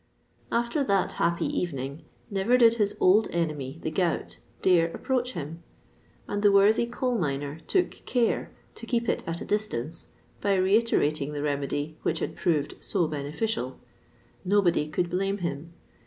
After that happy evening, never did his old enemy, the gout, dare approach him; and the worthy coal miner took care to keep it at a distance, by reiterating the remedy which had proved so beneficial. Nobody could blame him.